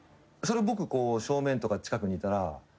それ僕正面とか近くにいたら。